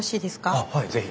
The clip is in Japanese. あっはい是非。